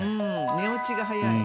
寝落ちが早い。